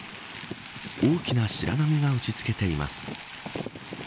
大きな白波が打ち付けています。